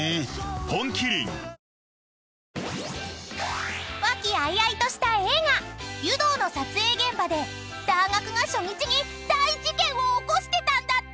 本麒麟［和気あいあいとした映画『湯道』の撮影現場でだーがくが初日に大事件を起こしてたんだって！］